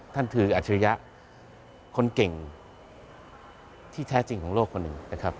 ท่านคืออัจฉริยะคนเก่งที่แท้จริงของโลกคนหนึ่งนะครับ